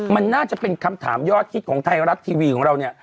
มันน่าจะเป็นคำถามยอดฮิตของไทยรัฐทีวีของเราเนี่ย